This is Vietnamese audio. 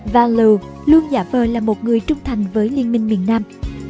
van loo luôn giả vờ là một người trung thành với liên minh miền nam